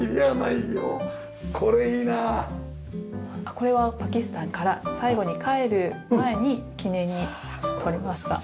これはパキスタンから最後に帰る前に記念に撮りました。